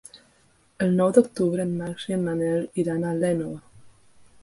El nou d'octubre en Max i en Manel iran a l'Énova.